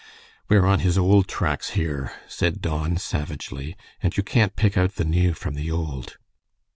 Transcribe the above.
"We're on his old tracks here," said Don, savagely, "and you can't pick out the new from the old."